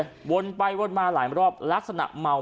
ก็แค่มีเรื่องเดียวให้มันพอแค่นี้เถอะ